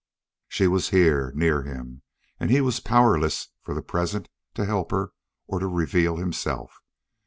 She was here, near him, and he was powerless for the present to help her or to reveal himself.